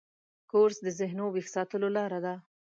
کورس د ذهنو ویښ ساتلو لاره ده.